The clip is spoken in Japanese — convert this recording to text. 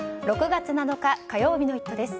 ６月７日火曜日の「イット！」です。